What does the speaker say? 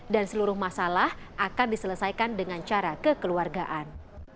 dan seluruh masalah akan diselesaikan dengan cara kekeluargaan